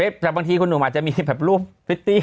แต่บางทีคุณหนุ่มอาจจะมีรูป